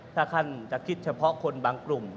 หากจะคิดเฉพาะคนบางกลุ่ม